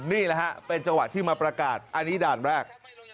นี่แหละฮะเป็นจังหวะที่มาประกาศอันนี้ด่านแรก